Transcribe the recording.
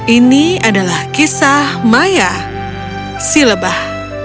ini adalah kisah maya silebah